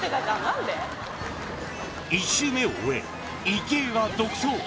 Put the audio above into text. １周目を終え池江が独走